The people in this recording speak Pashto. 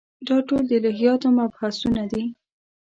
دا ټول د الهیاتو مبحثونه دي.